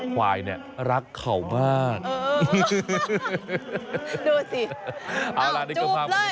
เห้อดูสิจูบเลย